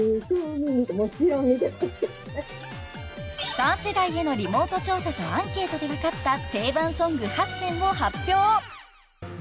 ［３世代へのリモート調査とアンケートで分かった定番ソング８選を発表］